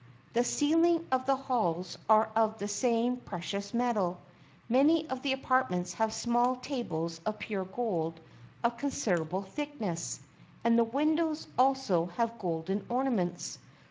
The ceilings of the halls are of the same pre cious metal ; many of the apartments have small tables of pure gold of considerable thickness; and the windows also have golden ornaments.